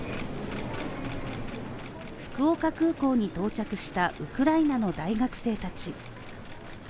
福岡空港に到着したウクライナの大学生たち。